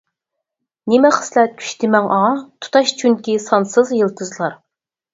نېمە خىسلەت، كۈچ دېمەڭ ئاڭا، تۇتاش چۈنكى سانسىز يىلتىزلار.